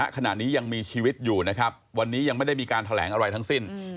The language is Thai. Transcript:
ขณะนี้ยังมีชีวิตอยู่นะครับวันนี้ยังไม่ได้มีการแถลงอะไรทั้งสิ้น